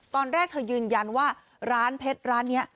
ตอนแรกเธอยืนยันว่าร้านเพชรร้านนี้